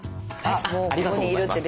ありがとうございます。